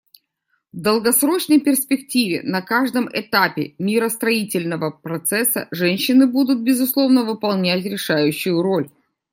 В долгосрочной перспективе на каждом этапе миростроительного процесса женщины будут, безусловно, выполнять решающую роль.